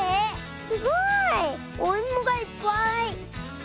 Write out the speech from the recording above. すごい。おいもがいっぱい。